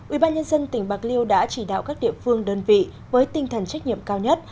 ubnd tỉnh bạc liêu đã chỉ đạo các địa phương đơn vị với tinh thần trách nhiệm cao nhất